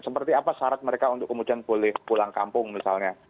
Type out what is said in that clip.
seperti apa syarat mereka untuk kemudian boleh pulang kampung misalnya